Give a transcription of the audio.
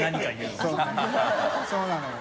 そうなのよ。